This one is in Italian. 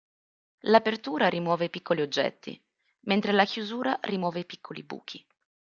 L'apertura rimuove piccoli oggetti, mentre la chiusura rimuove piccoli buchi.